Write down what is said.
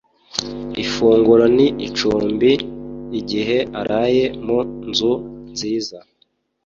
Ifunguro n icumbi igihe araye mu nzu nziza